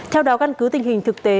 theo đó căn cứ tình hình thực tế